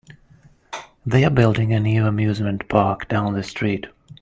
They're building a new amusement park down the street.